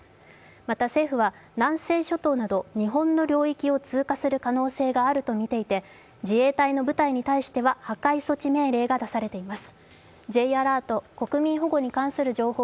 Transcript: また、政府は南西諸島など日本の領域を通過する可能性があるとみていて自衛隊の部隊に対しては破壊措置命令が出されています。